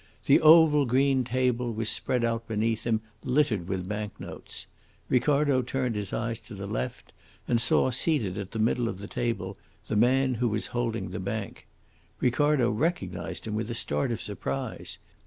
The oval green table was spread out beneath him littered with bank notes. Ricardo turned his eyes to the left, and saw seated at the middle of the table the man who was holding the bank. Ricardo recognised him with a start of surprise.